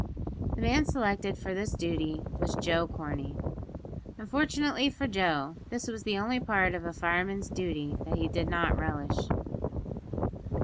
The man selected for this duty was Joe Corney. Unfortunately for Joe, this was the only part of a fireman's duty that he did not relish.